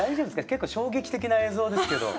結構衝撃的な映像ですけど。